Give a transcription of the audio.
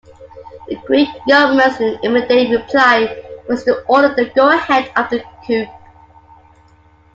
The Greek Government's immediate reply was to order the go-ahead of the coup.